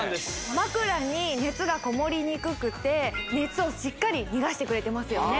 枕に熱がこもりにくくて熱をしっかり逃がしてくれてますよね